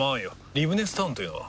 リブネスタウンというのは？